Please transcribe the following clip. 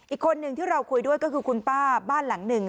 อีกคนนึงที่เราคุยด้วยก็คือคุณป้าบ้านหลังหนึ่ง